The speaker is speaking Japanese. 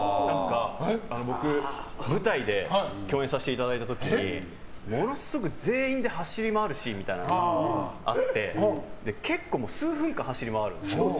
僕、舞台で共演させていただいた時に全員で走り回るシーンがあって結構、数分間走り回るんですよ。